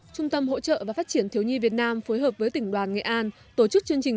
trung tâm hỗ trợ và phát triển thiếu nhi việt nam phối hợp với tỉnh đoàn nghệ an tổ chức chương trình